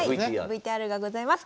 はいＶＴＲがございます。